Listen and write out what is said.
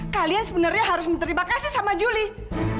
kalian sebenarnya harus berterima kasih sama julie